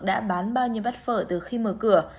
đã bán bao nhiêu bát phở từ khi mở cửa